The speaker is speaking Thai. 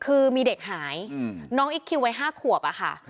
คือมีเด็กหายน้องอิ๊กคิววัย๕ขวบอะค่ะ